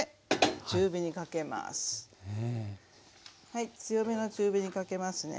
はい強めの中火にかけますね。